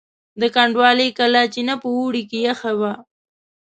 د کنډوالې کلا چینه په اوړي کې یخه وه.